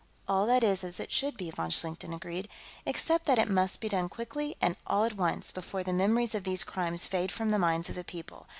"All that is as it should be," von Schlichten agreed. "Except that it must be done quickly and all at once, before the memories of these crimes fade from the minds of the people.